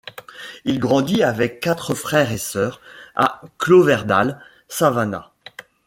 Il grandit avec quatre frères et sœurs à Cloverdale, Savannah.